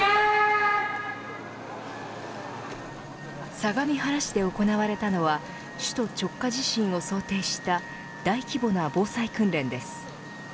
相模原市で行われたのは首都直下地震を想定した大規模な防災訓練です。